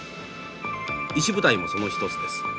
石舞台もその一つです。